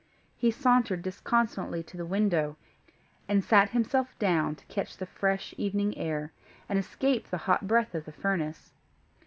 He sauntered disconsolately to the window, and sat himself down to catch the fresh evening air, and escape the hot breath of the furnace.